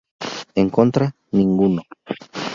En contra: ninguno.